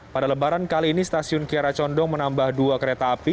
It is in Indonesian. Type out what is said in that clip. pada lebaran kali ini stasiun kiara condong menambah dua kereta api